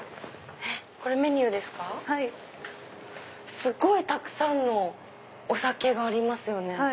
すごいたくさんのお酒がありますよね。